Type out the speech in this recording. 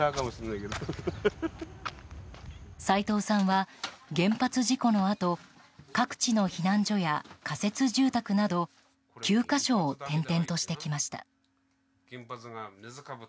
斉藤さんは原発事故のあと各地の避難所や仮設住宅など９か所を転々としてきました。